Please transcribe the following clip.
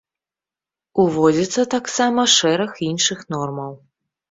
Уводзіцца таксама шэраг іншых нормаў.